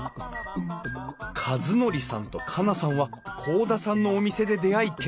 和憲さんと佳奈さんは甲田さんのお店で出会い結婚。